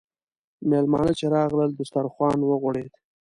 میلمانه چې راغلل، دسترخوان وغوړېد.